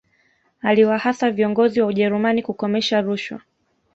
aliwahasa viongozi wa ujerumani kukomesha rushwa